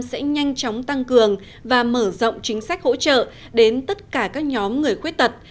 sẽ nhanh chóng tăng cường và mở rộng chính sách hỗ trợ đến tất cả các nhóm người khuyết tật